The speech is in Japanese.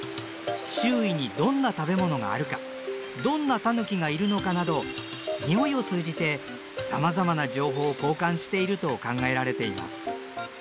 周囲にどんな食べ物があるかどんなタヌキがいるのかなどにおいを通じてさまざまな情報を交換していると考えられています。